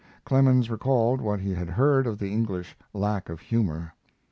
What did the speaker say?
Clemens recalled what he had heard of the English lack of humor.